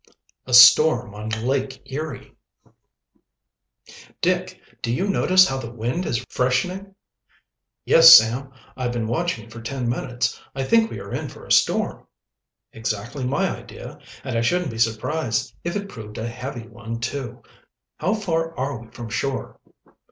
A STORM ON LAKE ERIE. "Dick, do you notice how the wind is freshening?" "Yes, Sam, I've been watching it for ten minutes. I think we are in for a storm." "Exactly my idea, and I shouldn't be surprised if it proved a heavy one, too. How far are we from shore?"